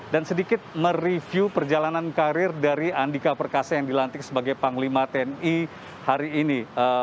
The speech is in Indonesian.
dan sedikit mereview perjalanan karir dari andika perkasa yang dilantik sebagai panglima tni hari ini